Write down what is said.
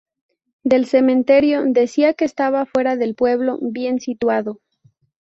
Del cementerio decía que estaba fuera del pueblo, bien situado.